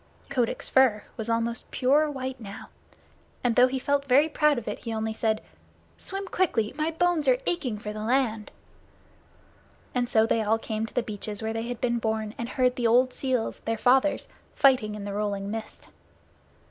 Kotick's fur was almost pure white now, and though he felt very proud of it, he only said, "Swim quickly! My bones are aching for the land." And so they all came to the beaches where they had been born, and heard the old seals, their fathers, fighting in the rolling mist.